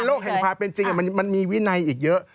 บนโลกแห่งภาพเป็นจริงมันมีวินัยอีกเยอะ